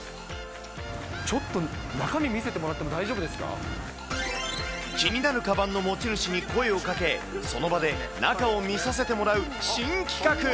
ちょっと中身見せてもらって気になるかばんの持ち主に声をかけ、その場で中を見させてもらう新企画。